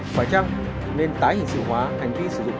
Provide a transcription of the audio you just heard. phải chăng nên tái hiện sự hóa hành vi sử dụng